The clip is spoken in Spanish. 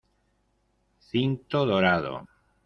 Cinto dorado.